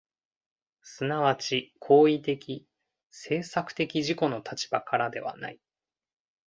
即ち行為的・制作的自己の立場からではない。